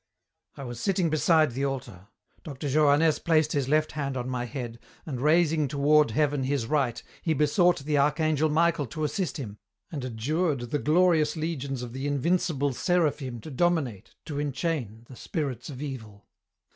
"I was sitting beside the altar. Dr. Johannès placed his left hand on my head and raising toward heaven his right he besought the Archangel Michael to assist him, and adjured the glorious legions of the invincible seraphim to dominate, to enchain, the spirits of Evil.